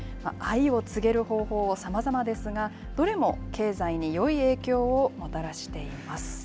愛を告げる方法はさまざまですが、どれも経済によい影響をもたらしています。